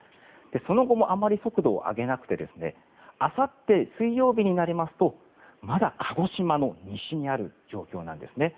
その後もあまり速度を上げなくてあさって水曜日になりますとまだ鹿児島の西にある状況なんです。